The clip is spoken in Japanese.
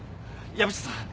藪下さん